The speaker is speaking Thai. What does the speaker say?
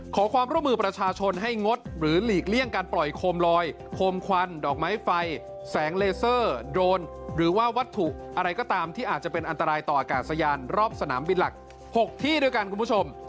ขอความร่วมมือประชาชนให้งดหรือหลีกเลี่ยงการปล่อยโคมลอยโคมควันดอกไม้ไฟแสงเลเซอร์โดรนหรือว่าวัตถุอะไรก็ตามที่อาจจะเป็นอันตรายต่ออากาศยานรอบสนามบินหลัก๖ที่ด้วยกันคุณผู้ชม